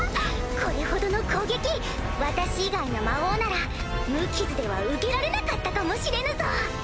これほどの攻撃私以外の魔王なら無傷では受けられなかったかもしれぬぞ！